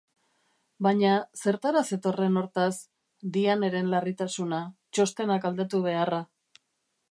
Baina zertara zetorren, hortaz, Dianneren larritasuna, txostenak aldatu beharra?